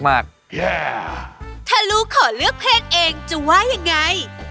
ถ้าลูกขอเลือกเพลงเองจะว่ายังไง